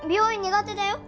苦手だよ